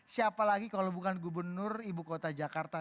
siapa lagi kalau bukan gubernur ibu kota jakarta